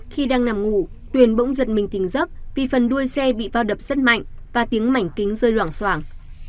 khi đang nằm ngủ tuyền bỗng giật mình tỉnh giấc vì phần đuôi xe bị vào đập rất mạnh và tiếng mảnh kính rơi loảng soảng